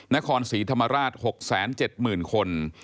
นครศรีธรรมราช๖๗๐๐๐คน